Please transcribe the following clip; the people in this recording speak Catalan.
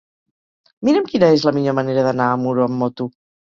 Mira'm quina és la millor manera d'anar a Muro amb moto.